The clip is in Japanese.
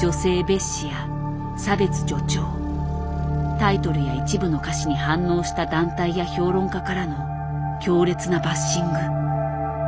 タイトルや一部の歌詞に反応した団体や評論家からの強烈なバッシング。